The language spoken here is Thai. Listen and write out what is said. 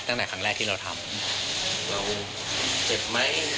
ตั้งแต่ครั้งแรกที่เราทำเราเจ็บไหม